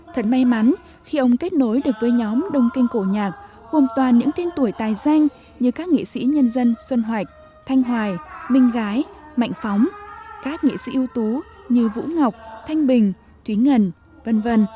thật may mắn khi ông kết nối được với nhóm đông kinh cổ nhạc gồm toàn những tên tuổi tài danh như các nghệ sĩ nhân dân xuân hoạch thanh hoài minh gái mạnh phóng các nghệ sĩ ưu tú như vũ ngọc thanh bình thúy ngân v v